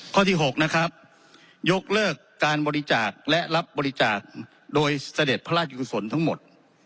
ข้อที่๖นะครับยกเลิกการบริจาคและรับบริจาคโดยเสด็จพระราชกุศลทั้งหมด